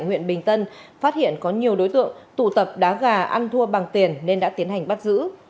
huyện bình tân phát hiện có nhiều đối tượng tụ tập đá gà ăn thua bằng tiền nên đã tiến hành bắt giữ